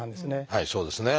はいそうですね。